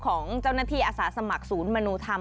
ของเจ้าหน้าที่อาสาสมัครศูนย์มนุธรรม